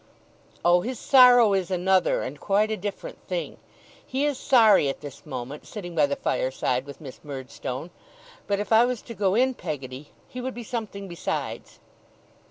'Oh, his sorrow is another and quite a different thing. He is sorry at this moment, sitting by the fireside with Miss Murdstone; but if I was to go in, Peggotty, he would be something besides.